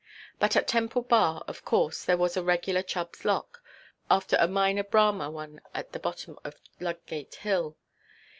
But at Temple Bar, of course, there was a regular Chubbʼs lock, after a minor Bramah one at the bottom of Ludgate Hill.